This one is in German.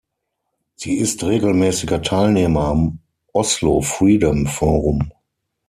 Sie ist regelmäßiger Teilnehmer am Oslo Freedom Forum.